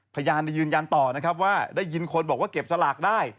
พยานยืนยันต่อนะครับว่าได้ยินคนบอกว่าเก็บสลากได้